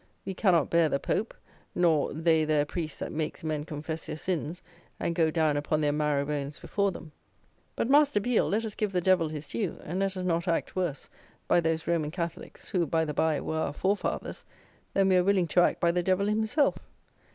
We cannot bear the Pope, nor "they there priests that makes men confess their sins and go down upon their marrow bones before them." But, master Biel, let us give the devil his due; and let us not act worse by those Roman Catholics (who by the bye were our forefathers) than we are willing to act by the devil himself.